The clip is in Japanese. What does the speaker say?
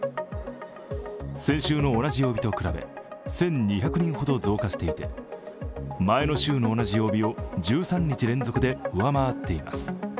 先週の同じ曜日と比べ１２００人ほど増加していて前の週の同じ曜日を１３日連続で上回っています。